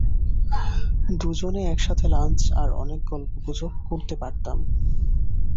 দুজনে একসাথে লাঞ্চ আর অনেক গল্পগুজব করতে পারতাম।